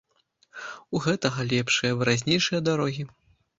У гэтага лепшыя, выразнейшыя дарогі.